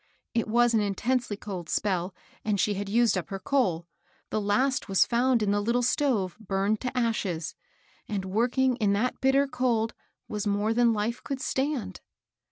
It was an intensely cold spell, and she had used up her coal, — the last was found in the little stove, burned to ashes, — and working in that bitter cold was more than life could stand.